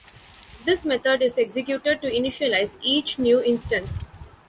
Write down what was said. This method is executed to initialize each new instance.